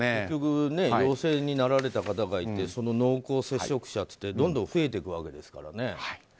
結局、陽性になられた方がいてその濃厚接触者といってどんどん増えていくわけですから。